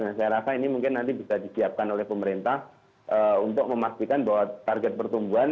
nah saya rasa ini mungkin nanti bisa disiapkan oleh pemerintah untuk memastikan bahwa target pertumbuhan